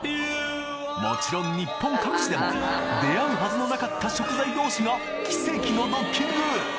もちろん日本各地でも出合うはずのなかった食材同士が奇跡のドッキング！